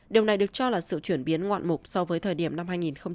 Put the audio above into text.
điều này được cho là sự chuyển biến ngoạn mục so với thời điểm năm hai nghìn hai mươi